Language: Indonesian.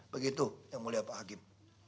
begitu yang mulia pak hakim